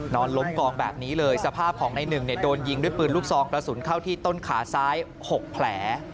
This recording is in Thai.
นอนล้มกองแบบนี้เลยสภาพของในหนึ่งเนี่ยโดนยิงด้วยปืนลูกซองกระสุนเข้าที่ต้นขาซ้าย๖แผล